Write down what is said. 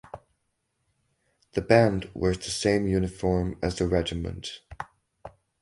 The band wears the same uniform as the regiment.